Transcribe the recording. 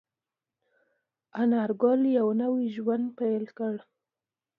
انارګل یو نوی ژوند پیل کړ.